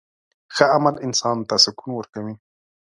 ښه عمل انسان ته سکون ورکوي.